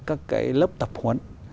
các cái lớp tập huấn